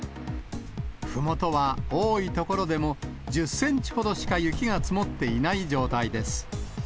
ふもとは多い所でも１０センチほどしか雪が積もっていない状態です。